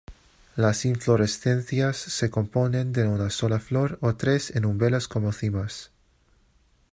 Las inflorescencias se componen de una sola flor o tres en umbelas como cimas.